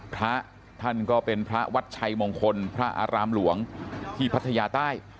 พระท่านก็เป็นพระวัดชัยมงคลพระอารามหลวงที่พัทยาใต้